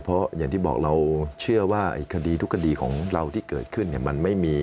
เพราะอย่างที่บอกเราเชื่อว่าคดีทุกคดีของเราที่เกิดขึ้นมันไม่มี